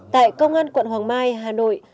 tại công an quận hoàng mai hà nội